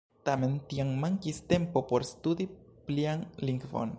Tamen tiam mankis tempo por studi plian lingvon.